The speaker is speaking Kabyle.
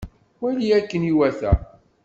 Wali akken iwata!